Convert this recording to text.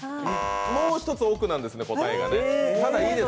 もう１つ奥なんですね、答えはね。